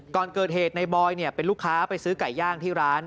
ก่อนเกิดเหตุในบอยเป็นลูกค้าไปซื้อไก่ย่างที่ร้าน